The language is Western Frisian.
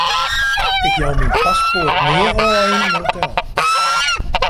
Ik jou myn paspoart nea ôf yn in hotel.